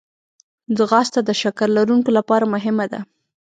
ځغاسته د شکر لرونکو لپاره مهمه ده